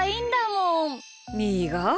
みーが？